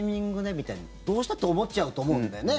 みたいなどうしたって思っちゃうと思うんだよね。